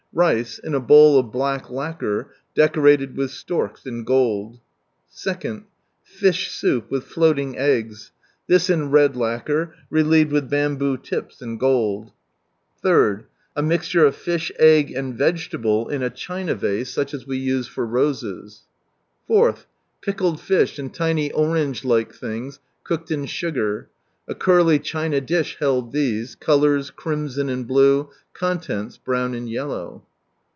Rice, in a bowl of black lacquer, decorated with storks in gold. and. Fish soup with floating eggs. This in red lacquer, relieved with bamboo tips in gold. 3rd. A mixture of fish, egg, and vegetable, in a china vase, such as we use for roses. 4th. Pickled fish, and tiny orange like things, cooked in sugar. A curly china dish held these ; colours, crimson and blue ; contents, brown and yellow.